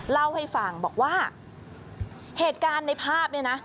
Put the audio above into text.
เล่าให้ฟังบอกว่าเหตุการณ์ในภาพเนี่ยนะ